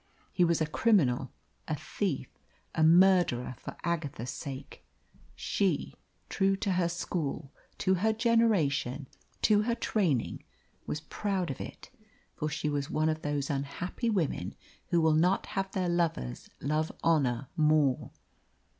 He was a criminal, a thief, a murderer for Agatha's sake. She, true to her school, to her generation, to her training, was proud of it; for she was one of those unhappy women who will not have their lovers love honour more.